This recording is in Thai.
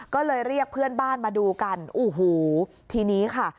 ก็เลยเรียกเพื่อนบ้านมาดูกันโอ้โหทีนี้ค่ะ